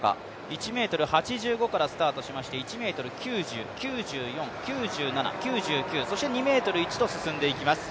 １ｍ８５からスタートしまして１ｍ９０、９５、９７そして２ｍ１と進んでいきます。